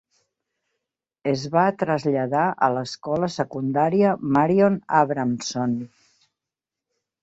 Es va traslladar a l'escola secundària Marion Abramson.